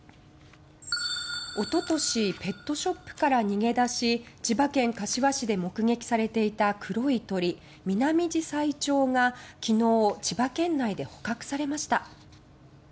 一昨年ペットショップから逃げ出し千葉県柏市で目撃されていたミナミジサイチョウが昨日千葉県内で捕獲されました。